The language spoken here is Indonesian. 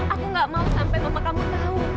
aku gak mau sampai mama kamu tahu